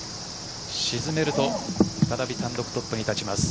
沈めると再び単独トップに立ちます。